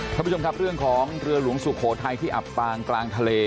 ท่านผู้ชมครับเรื่องของเรือหลวงสุโขทัยที่อับปางกลางทะเล